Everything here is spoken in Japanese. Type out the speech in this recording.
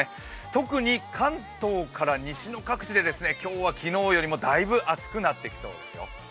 特に関東から西の各地で今日は昨日よりもだいぶ暑くなってきそうですよ。